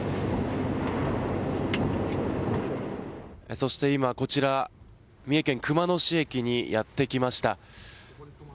そして今、こちら三重県熊野市駅にやってきました。